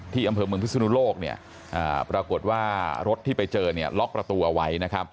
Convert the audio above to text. ที่อำเภอเมืองพิศนุโลกปรากฏว่ารถที่ไปเจอล็อกประตูเอาไว้